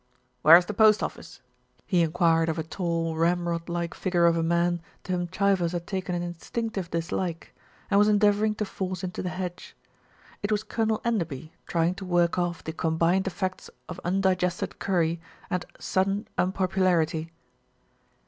"Where's the post office?" he enquired of a tall, ramrod like figure of a man to whom Chivers had taken an instinctive dislike, and was endeavouring to force into the hedge. It was Colonel Enderby trying to work off the combined effects of undigested curry and sudden unpopularity.